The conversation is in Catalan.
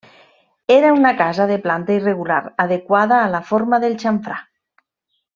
Era una casa de planta irregular, adequada a la forma del xamfrà.